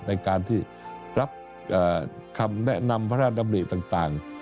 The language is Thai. ในการที่รับคำแนะนำพระราชดำริต่าง